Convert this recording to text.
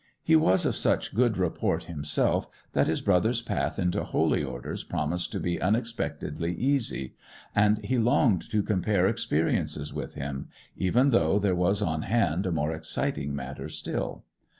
He was of such good report himself that his brother's path into holy orders promised to be unexpectedly easy; and he longed to compare experiences with him, even though there was on hand a more exciting matter still.